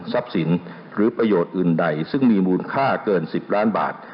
ที่มีมูลค่าเกิน๑๐ล้านบาท